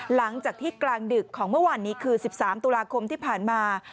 หลังจากที่กลางดึกของเมื่อวานนี้คือ๑๓ตุลาคมที่ผ่านมา